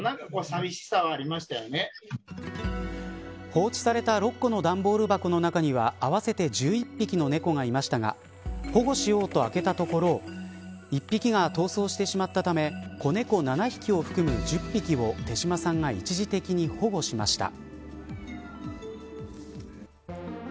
放置された６個の段ボール箱の中には合わせて１１匹の猫がいましたが保護しようと開けたところ１匹が逃走してしまったため子猫７匹を含む１０匹を手島さんが一時的に保護しました。